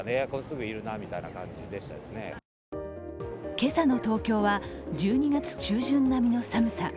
今朝の東京は１２月中旬並みの寒さ。